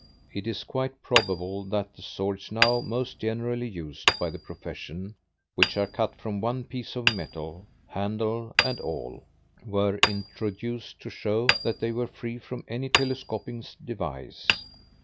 It is quite probable that the swords now most generally used by the profession, which are cut from one piece of metal handle and all were introduced to show that they were free from any telescoping device.